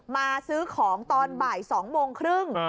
มาซื้อของตอนบ่าย๒โมงครึ่ง